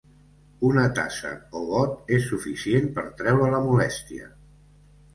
Una tassa o got és suficient per treure la molèstia.